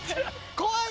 怖い。